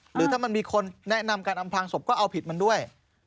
หรือถ้ามันมีคนแนะนำการอำพลางศพก็เอาผิดมันด้วย